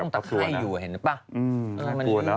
ตะไพ่อยู่เห็นหรือเปล่า